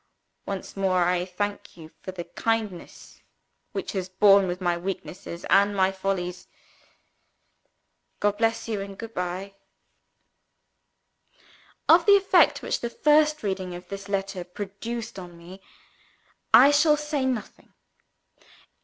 "Once more, I thank you for the kindness which has borne with my weaknesses and my follies. God bless you and goodbye. "OSCAR." Of the effect which the first reading of this letter produced on me, I shall say nothing.